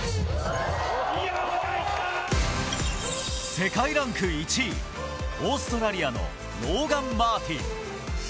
世界ランク１位、オーストラリアのローガン・マーティン。